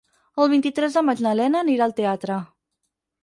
El vint-i-tres de maig na Lena anirà al teatre.